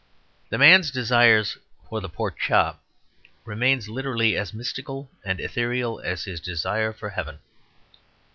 The man's desire for the pork chop remains literally as mystical and ethereal as his desire for heaven.